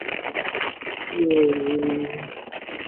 基恩成为了当时球队的巨星朗拿度及韦利的前线拍挡。